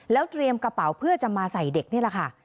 แล้วเตรียมกระเป๋าเพื่อจะมาใส่เด็กนี่แหละค่ะ